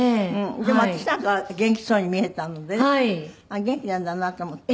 でも私なんかは元気そうに見えたのでね元気なんだなと思って。